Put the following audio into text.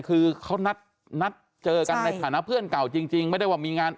คือเขานัดเจอกันในฐานะเพื่อนเก่าจริงไม่ได้ว่ามีงาน